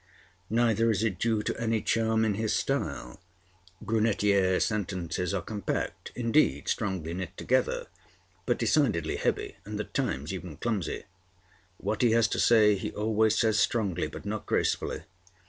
Neither is it due to any charm in his style. Brunetière's sentences are compact, indeed, strongly knit together, but decidedly heavy and at times even clumsy. What he has to say he always says strongly, but not gracefully.